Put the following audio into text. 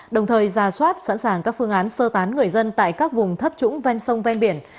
đồng thời ra soát sẵn sàng các phương án sơ tán người dân tại các vùng thấp trũng ven sông ven biển